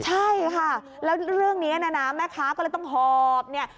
ใช่ค่ะแล้วเรื่องนี้นะนะแม่ค้าก็เลยต้องหอบเนี่ย